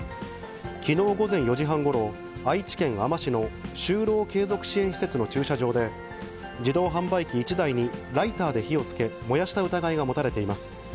きのう午後４時半ごろ、愛知県あま市の就労継続支援施設の駐車場で、自動販売機１台にライターで火をつけ、燃やした疑いが持たれています。